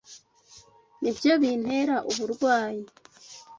Nibyo bintera uburwayi.